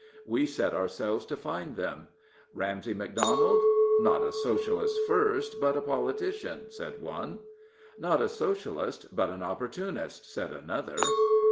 We set ourselves to find them. Ramsay Macdonald? " Not a Socialist first, but a politician," said one. " Not a Socialist, but an Opportunist," said another.